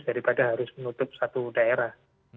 daripada harus menutup satu daerah